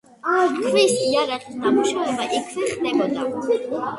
ქვის იარაღის დამუშავება იქვე ხდებოდა.